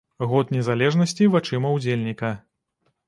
Год незалежнасці вачыма ўдзельніка.